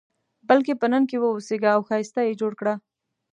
بلکې په نن کې واوسېږه او ښایسته یې جوړ کړه.